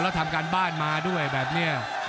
แล้วทำการบ้านมาด้วยแบบนี้